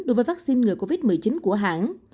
đối với vaccine ngừa covid một mươi chín của hãng